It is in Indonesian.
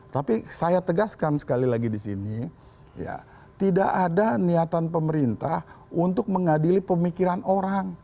tapi saya tegaskan sekali lagi di sini tidak ada niatan pemerintah untuk mengadili pemikiran orang